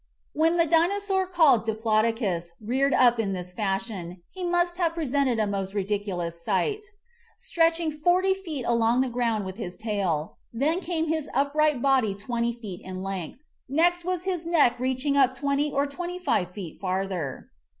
When the Dinosaur called Diplodocus reared up in this fashion he must have presented a most ridiculous sight. Stretching forty feet along the ground was his tail; then came his upright body twenty feet in length ; next was his neck reaching up twenty or twenty five feet far ther.